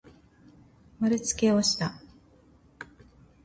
まるつけをした。